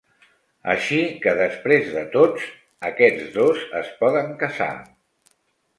Així que després de tots aquests dos es poden casar.